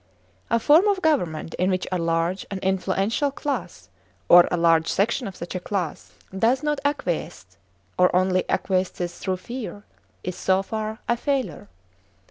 A form of government in which a large and influential class, or a large section of such a class, does not acquiesce, or only acquiesces through fear, is, so far, a failure.